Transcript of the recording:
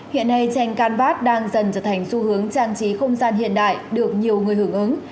hiện nay tranh can bác đang dần trở thành xu hướng trang trí không gian hiện đại được nhiều người hưởng ứng